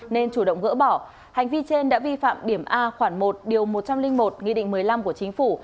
nên chủ động gỡ bỏ hành vi trên đã vi phạm điểm a khoảng một điều một trăm linh một nghị định một mươi năm của chính phủ